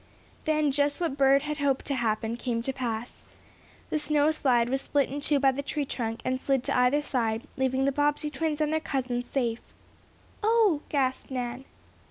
Then just what Bert had hoped would happen came to pass. The snow slide was split in two by the tree trunk, and slid to either side, leaving the Bobbsey twins and their cousins safe. "Oh!" gasped Nan.